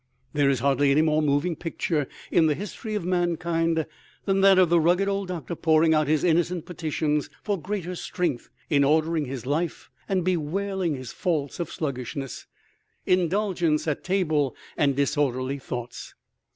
There is hardly any more moving picture in the history of mankind than that of the rugged old doctor pouring out his innocent petitions for greater strength in ordering his life and bewailing his faults of sluggishness, indulgence at table and disorderly thoughts.